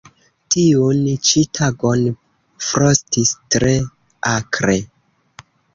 Tiun ĉi tagon frostis tre akre.